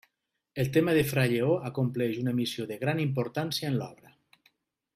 El tema de fra Lleó acompleix una missió de gran importància en l'obra.